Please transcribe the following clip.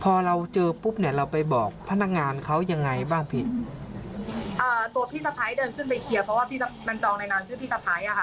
พอเราเจอปุ๊บเนี่ยเราไปบอกพนักงานเขายังไงบ้างพี่อ่าตัวพี่สะพ้ายเดินขึ้นไปเคลียร์เพราะว่าพี่มันจองในนามชื่อพี่สะพ้ายอ่ะค่ะ